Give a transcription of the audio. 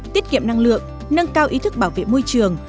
tiết kiệm năng lượng nâng cao ý thức bảo vệ môi trường